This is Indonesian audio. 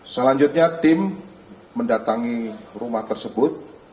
selanjutnya tim mendatangi rumah tersebut